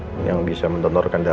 kalau ada pasti mama mau banget bantu